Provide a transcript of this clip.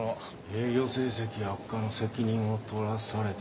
営業成績悪化の責任を取らされたのか。